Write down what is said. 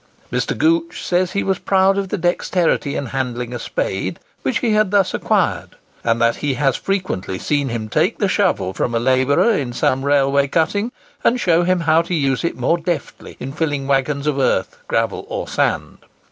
Mr. Gooch says he was proud of the dexterity in handling a spade which he had thus acquired, and that he has frequently seen him take the shovel from a labourer in some railway cutting, and show him how to use it more deftly in filling waggons of earth, gravel, or sand.